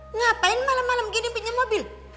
hah ngapain malem malem giyan pinjem mobil